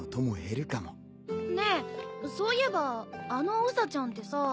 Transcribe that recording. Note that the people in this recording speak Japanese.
ねえそういえばあのウサちゃんってさ。